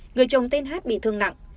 người chồng tên h bị thương nặng